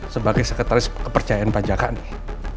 sebagai sekretaris kepercayaan pajakan nih